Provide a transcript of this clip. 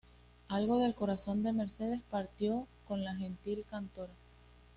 Algo del corazón de Mercedes partió con la gentil cantora.